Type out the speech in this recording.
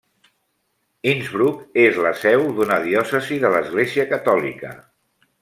Innsbruck és la seu d'una diòcesi de l'Església Catòlica.